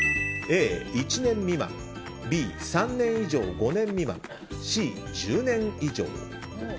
Ａ、１年未満Ｂ、３年以上５年未満Ｃ、１０年以上。